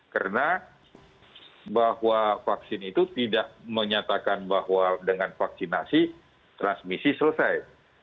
karena bahwa vaksin itu tidak menyatakan bahwa dengan vaksinasi transmisi selesai